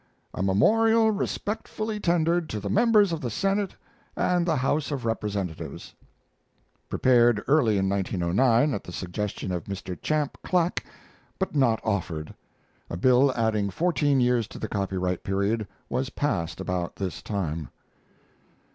A MEMORIAL RESPECTFULLY TENDERED TO THE MEMBERS OF THE SENATE AND THE HOUSE OF REPRESENTATIVES. (Prepared early in 1909 at the suggestion of Mr. Champ Clack but not offered. A bill adding fourteen years to the copyright period was passed about this time.)